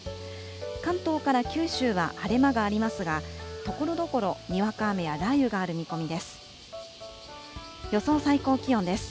関東から九州は晴れ間がありますが、ところどころにわか雨や雷雨がある見込みです。